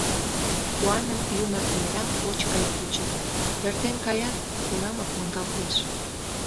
Куанын ӱмыр мераҥ поч гай кӱчык: эртен каят, тунамак мондалтеш.